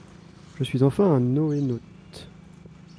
Je suis enfin un NoéNaute.